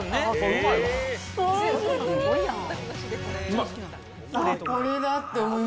うまい。